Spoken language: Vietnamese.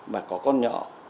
mà có con nhỏ